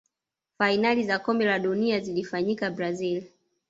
fainali za kombe la dunia zilifanyikia brazil